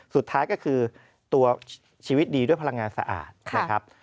สุดท้ายก็คือตัวชีวิตดีด้วยพลังงานสะอาดนะครับ